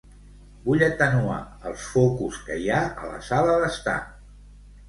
Vull atenuar els focus que hi ha a la sala d'estar.